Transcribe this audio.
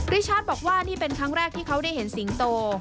ริชาติบอกว่านี่เป็นครั้งแรกที่เขาได้เห็นสิงโต